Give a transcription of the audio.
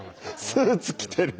スーツ着てる。